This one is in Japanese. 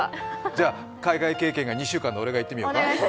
じゃあ海外経験が２週間の俺が言ってみようか？